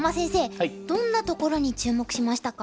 どんなところに注目しましたか？